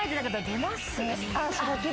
出ます？